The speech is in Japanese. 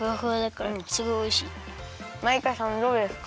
マイカさんどうですか？